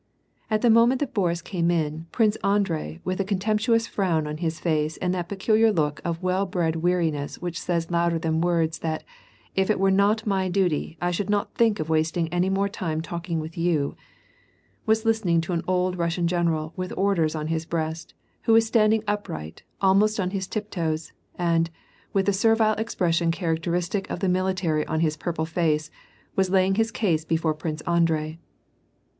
At the moment that Boris came in. Prince Andrei, with a contemptuous frown on his face and that peculiar look of well bred weariness which says louder than words that '^ if it were not my duty, I should not think of wasting any more time talking with you,'' was listening to an old Russian general with orders on his breast, who was standing upright, almost on his tiptoes, and, with the servile expression characteristic of the military on his purple face, was laying his case b afore Prince Audrei.